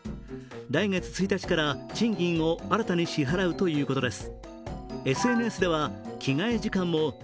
来月１日から賃金を新たに支払うということです。